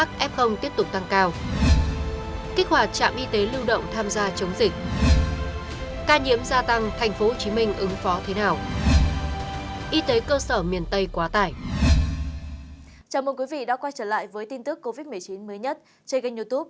chúng tôi sẽ thường xuyên cập nhật những tin tức covid một mươi chín mới nhất trên kênh youtube